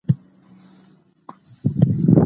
که بنسټیزي څېړني نه وي ساینسي څېړني ستونزمنې دي.